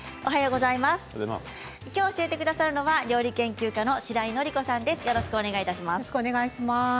きょう教えてくださるのは料理研究家のしらいのりこさんです。